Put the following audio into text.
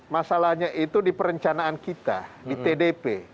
masalahnya itu di perencanaan kita di tdp